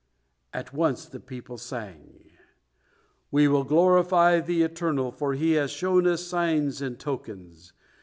At once the people sang: "We will glorify the Eternal, for He has shown us signs and tokens.